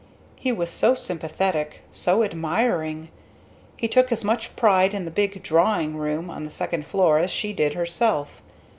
He was so sympathetic! so admiring! He took as much pride in the big "drawing room" on the third floor as she did herself.